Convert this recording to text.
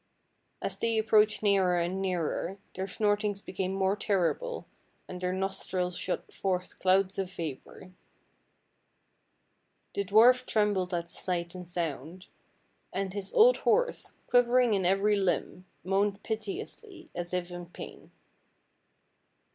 As they approached nearer and nearer their snortings became more terrible, and their nostrils shot forth clouds of vapor. The dwarf trembled at the sight and sound, and his old horse, quivering in every limb, moaned piteously, as if in pain.